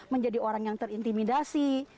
menjadi orang yang terintimidasi